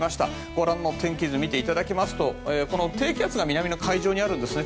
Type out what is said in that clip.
ご覧の天気図を見ていただきますとこの低気圧が南の海上にあるんですね。